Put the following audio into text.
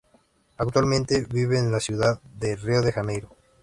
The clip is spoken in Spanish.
Actualmente vive en la ciudad de Río de Janeiro.